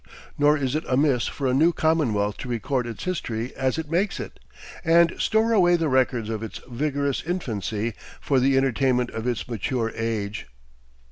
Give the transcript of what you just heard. Nor is it amiss for a new commonwealth to record its history as it makes it, and store away the records of its vigorous infancy for the entertainment of its mature age.